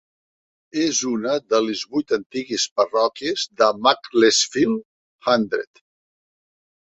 És una de les vuit antigues parròquies de Macclesfield Hundred.